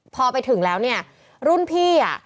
พอไปถึงแล้วเนี่ยรุ่นพี่อ่ะ